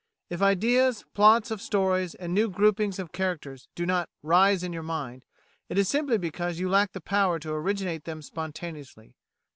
If ideas, plots of stories, and new groupings of character do not "rise" in your mind, it is simply because you lack the power to originate them spontaneously.